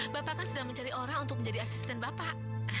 bapak kan sedang mencari orang untuk menjadi asisten bapak